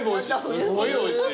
すごいおいしい。